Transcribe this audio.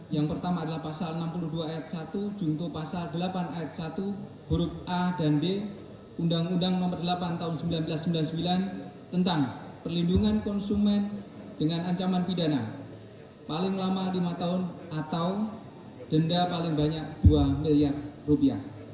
yang pertama adalah pasal enam puluh dua ayat satu jungto pasal delapan ayat satu huruf a dan d undang undang nomor delapan tahun seribu sembilan ratus sembilan puluh sembilan tentang perlindungan konsumen dengan ancaman pidana paling lama lima tahun atau denda paling banyak dua miliar rupiah